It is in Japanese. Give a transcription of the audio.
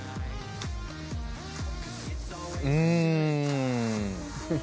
うん。